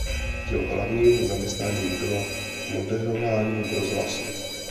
Jeho hlavním zaměstnáním bylo moderování v rozhlasu.